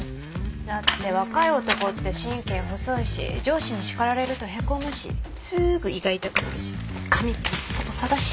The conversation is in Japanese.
だって若い男って神経細いし上司に叱られるとへこむしすーぐ胃が痛くなるし髪ぼっさぼさだし。